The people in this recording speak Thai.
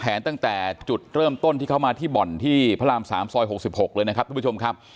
ตั้งแต่จุดเริ่มต้นที่เขามาที่บ่อนที่พระราม๓ซอย๖๖เลยนะครับทุกผู้ชมครับ